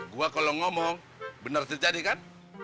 gue kalau ngomong benar terjadi kan